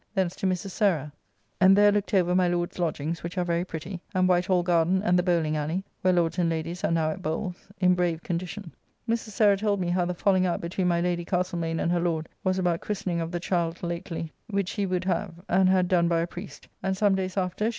Thence to Mrs. Sarah, and there looked over my Lord's lodgings, which are very pretty; and White Hall garden and the Bowling ally (where lords and ladies are now at bowles), in brave condition. Mrs. Sarah told me how the falling out between my Lady Castlemaine and her Lord was about christening of the child lately, [The boy was born in June at Lady Castlemaine's house in King Street.